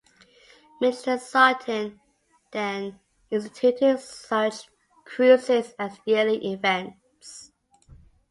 Minister Sartine then instituted such cruises as yearly events.